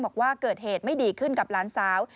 บอกว่าเกิดเหตุไม่ดีขึ้นกับหลานสาว